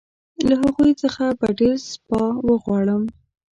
له هغوی څخه به ډېر سپاه وغواړم.